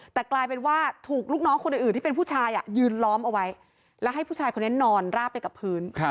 แต่กลายเป็นว่าถูกลูกน้องคนอื่นที่เป็นผู้ชายยืนล้อมเอาไว้แล้วให้ผู้ชายคนนี้นอนราบไปกับพื้น